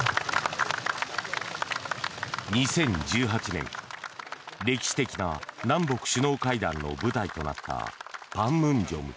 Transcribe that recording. ２０１８年、歴史的な南北首脳会談の舞台となった板門店。